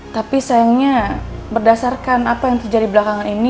tapi sayangnya berdasarkan apa yang terjadi belakangan ini